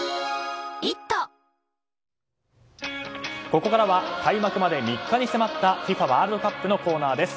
ここからは開幕まで３日に迫ったＦＩＦＡワールドカップのコーナーです。